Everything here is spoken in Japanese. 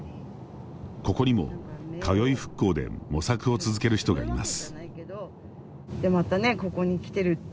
ここにも通い復興で模索を続ける人がいます。